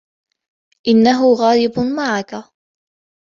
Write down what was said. إنهُ غاضب معكَ.